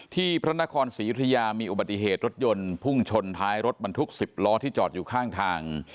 พระนครศรียุธยามีอุบัติเหตุรถยนต์พุ่งชนท้ายรถบรรทุก๑๐ล้อที่จอดอยู่ข้างทาง